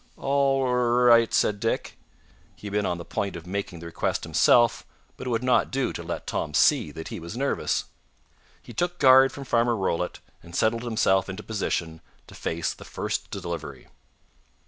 "All r right," said Dick. He had been on the point of making the request himself, but it would not do to let Tom see that he was nervous. He took guard from Farmer Rollitt, and settled himself into position to face the first delivery.